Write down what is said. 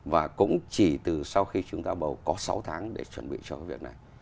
và cũng chỉ từ sau khi chúng ta bầu có sáu tháng để chuẩn bị cho cái việc này